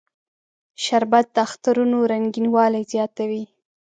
شربت د اخترونو رنگینوالی زیاتوي